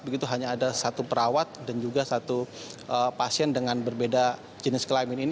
begitu hanya ada satu perawat dan juga satu pasien dengan berbeda jenis kelamin ini